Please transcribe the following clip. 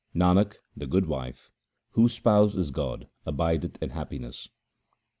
Nanak, the good wife, whose spouse is God, abideth in happiness.